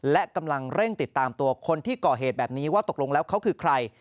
และกำลังเร่งติดตามตัวคนที่ก่อเหตุแบบนี้ว่าตกลงแล้วเขาคือใคร